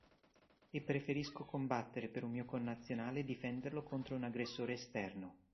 E preferisco combattere per un mio connazionale e difenderlo contro un aggressore esterno.